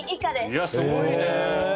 いやあすごいね。